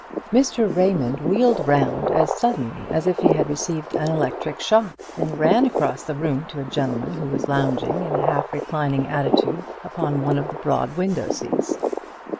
Mr. Raymond wheeled round as suddenly as if he had received an electric shock, and ran across the room to a gentleman who was lounging in a half reclining attitude upon one of the broad window seats.